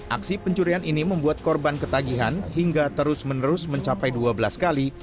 aksi pencurian ini membuat korban ketagihan hingga terus menerus mencapai dua belas kali